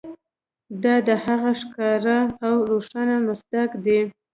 دا د هغه ښکاره او روښانه مصداق دی.